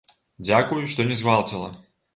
Дзякуй, што не згвалціла.